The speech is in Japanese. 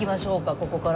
ここから。